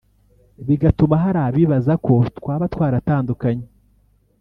bigatuma hari abibaza ko twaba twaratandukanye